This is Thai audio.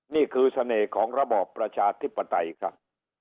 นี่คือเสน่ห์ของระบอบประชาธิปไตยครับ